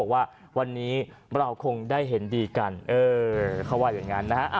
ว่าวันนี้เราคงได้เห็นดีกัน